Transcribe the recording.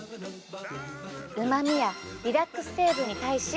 うまみやリラックス成分に対し。